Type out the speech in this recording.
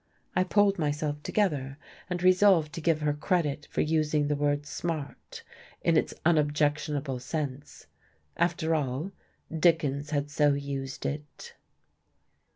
I pulled myself together, and resolved to give her credit for using the word "smart" in its unobjectionable sense. After all; Dickens had so used it.